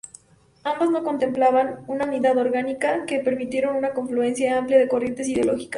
Ambas no contemplaban una unidad orgánica que permitieran una confluencia amplia de corrientes ideológicas.